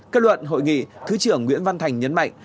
kết luận hội nghị thứ trưởng nguyễn văn thành nhấn mạnh